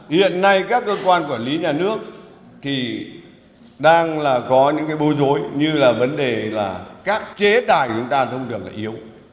hiện nay các cơ quan quản lý nhà nước thì đang là có những cái bối rối như là vấn đề là các chế tài chúng ta thông đường là yếu